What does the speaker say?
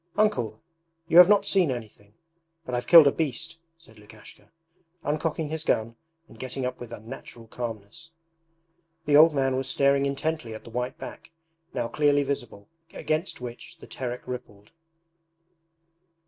Uncle, you have not seen anything, but I've killed a beast,' said Lukashka, uncocking his gun and getting up with unnatural calmness. The old man was staring intently at the white back, now clearly visible, against which the Terek rippled.